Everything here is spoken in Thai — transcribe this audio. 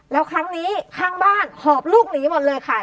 แล้วครั้งนี้ข้างบ้านหอบลูกหนีหมดเลยค่ะ